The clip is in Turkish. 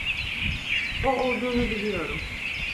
O olduğunu biliyorum.